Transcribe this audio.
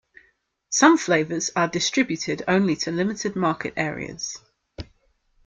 Some flavors are distributed only to limited market areas.